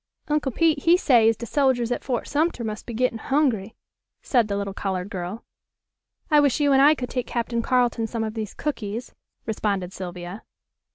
"Uncle Pete he say as de soldiers at Fort Sumter mus' be gettin' hungry," said the little colored girl. "I wish you and I could take Captain Carleton some of these cookies," responded Sylvia.